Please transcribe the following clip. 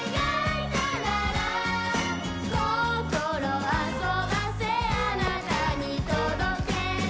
「心遊ばせあなたに届け」